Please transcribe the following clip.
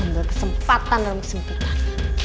ambil kesempatan dalam kesimpulan